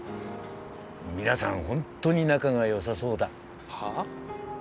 皆さん本当に仲がよさそうだはあ？